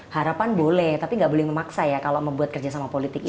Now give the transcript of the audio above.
harapan boleh tapi nggak boleh memaksa ya kalau membuat kerjasama politik itu